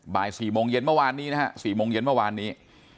บ่าย๔โมงเย็นเมื่อวานนี้นะฮะ๔โมงเย็นเมื่อวานนี้